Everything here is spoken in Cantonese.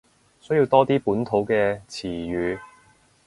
需要多啲本土嘅詞語